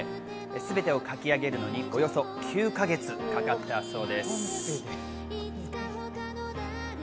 すべてを描き上げるのにおよそ９か月かかったそうです。